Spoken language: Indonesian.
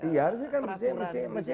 iya harusnya kan bersih bersih